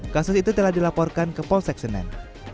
kasus itu telah dilaporkan ke polsek senen